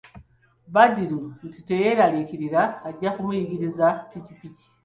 Badru nti teyeralikirira ajja kumuyigiriza pikipiki.